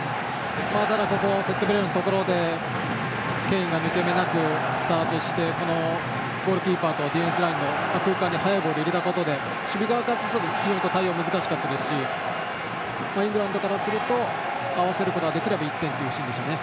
ただセットプレーのところでケインが抜け目なくスタートしてゴールキーパーとディフェンスラインの間の速いボールを入れたことで守備側からすると対応が難しかったですしイングランドからすると１点できるシーンでしたね。